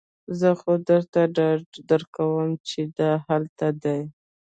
خو زه درته ډاډ درکوم چې دا هلته دی